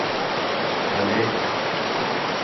Belê.